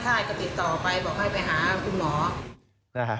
มั่นไทยก็ติดต่อไปบอกให้ไปหาคุณหมอ